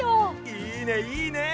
いいねいいね。